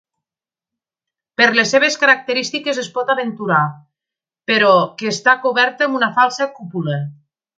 Per les seves característiques es pot aventurar, però, que està coberta amb una falsa cúpula.